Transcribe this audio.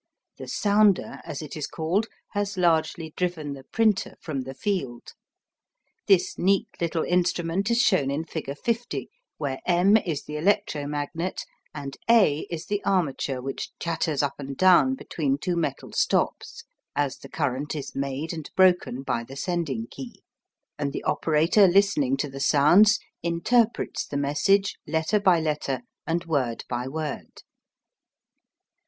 The "sounder," as it is called, has largely driven the "printer" from the field. This neat little instrument is shown in figure 50, where M is the electromagnet, and A is the armature which chatters up and down between two metal stops, as the current is made and broken by the sending key, and the operator listening to the sounds interprets the message letter by letter and word by word.